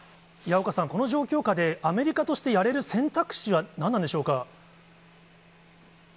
矢岡さん、この状況下でアメリカとしてやれる選択肢は何なんでしょうか。